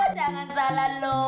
jangan salah lo